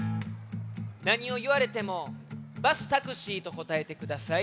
なにをいわれても「バスタクシー」とこたえてください。